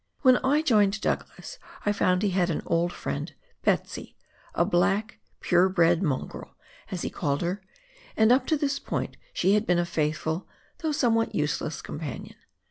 When I joined Douglas, I found he had an old friend, " Betsy," a black " pure bred mongrel," as he called her, and up to this point she had been a faithful, though somewhat useless, companion.